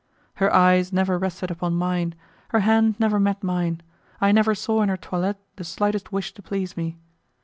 Her eyes never rested upon mine, her hand never met mine, I never saw in her toilet the slightest wish to please me.